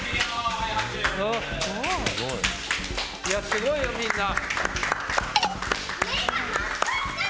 すごいよ、みんな。